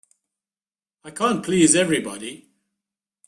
I can't please everybody.